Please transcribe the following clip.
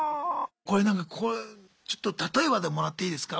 これなんかこれ例えばでもらっていいですか？